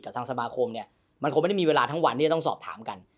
ทางสมาคมเนี่ยมันคงไม่ได้มีเวลาทั้งวันที่จะต้องสอบถามกัน